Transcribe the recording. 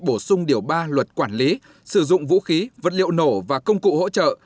bổ sung điều ba luật quản lý sử dụng vũ khí vật liệu nổ và công cụ hỗ trợ